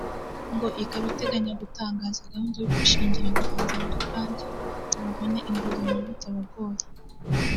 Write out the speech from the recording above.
ngo ikaba iteganya gutangiza gahunda yo kwishingira abahinzi muri banki ngo babone inguzanyo bitabagoye